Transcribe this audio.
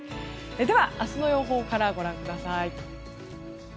では、明日の予報からご覧ください。